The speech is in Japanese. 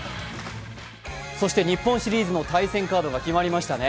日本シリーズの対戦カードが決まりましたね。